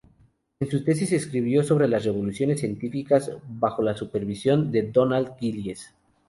En su tesis escribió sobre las revoluciones científicas bajo la supervisión de Donald Gillies.